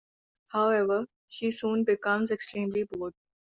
However, she soon becomes extremely bored.